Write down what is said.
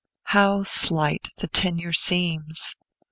How slight the tenure seems!